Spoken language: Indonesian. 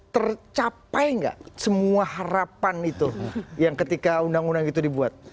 tercapai nggak semua harapan itu yang ketika undang undang itu dibuat